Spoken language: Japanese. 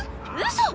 嘘！？